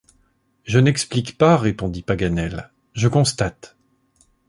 Je n’explique pas, répondit Paganel, je constate.